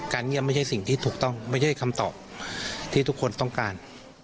เยี่ยมไม่ใช่สิ่งที่ถูกต้องไม่ใช่คำตอบที่ทุกคนต้องการ